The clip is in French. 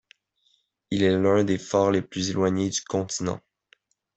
Il est l'un des phares les plus éloignés du continent.